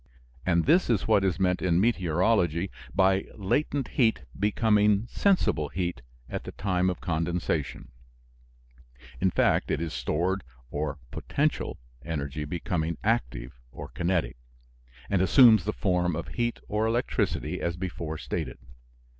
And this is what is meant in meteorology by latent heat becoming sensible heat at the time of condensation; in fact, it is stored or "potential" energy becoming active or kinetic, and assumes the form of heat or electricity, as before stated.